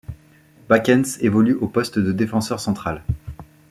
Bakens évolue au poste de défenseur central.